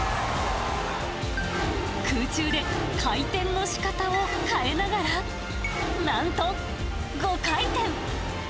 空中で回転のしかたを変えながら、なんと５回転。